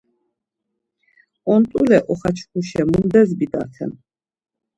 Ont̆ule oxaçkuşa mundes bidaten?